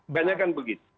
banyak kan begitu